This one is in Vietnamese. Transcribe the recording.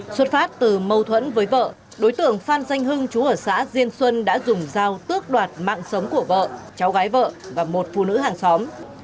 xuất phát từ mâu thuẫn với vợ đối tượng phan danh hưng chú ở xã diên xuân đã dùng dao tước đoạt mạng sống của vợ cháu gái vợ và một phụ nữ hàng xóm